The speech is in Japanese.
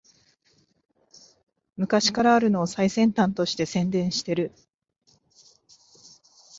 昔からあるのを最先端として宣伝してる